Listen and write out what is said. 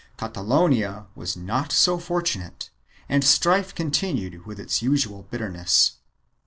3 Cata lonia was not so fortunate and strife continued with the usual bitterness.